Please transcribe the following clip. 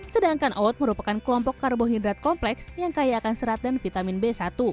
sedangkan oat merupakan kelompok karbohidrat kompleks yang kaya akan serat dan vitamin b satu